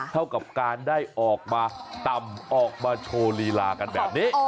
เท่ากับการได้ออกมาต่ำออกมาโชว์ลีลากันแบบนี้